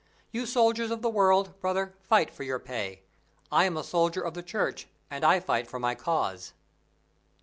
You soldiers of the world, brother, fight for your pay; I am a soldier of the Church, and I fight for my cause."